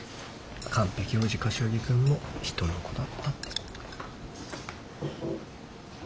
完璧王子柏木君も人の子だったってことよ。